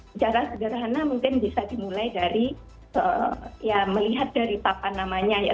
secara sederhana mungkin bisa dimulai dari ya melihat dari papan namanya ya